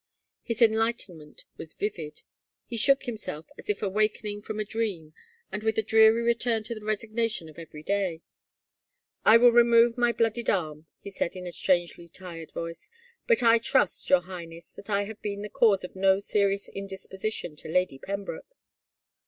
His enlightenment was vivid. He shook himself as if 243 THE FAVOR OF KINGS awakening from a dream and with a dreary return to the resignation of everyday, " I will remove my bloodied arm," he said, in a strangely tired voice. " I but trust, your Highness, that I have been the cause of no serious indisposition to Lady Pembroke."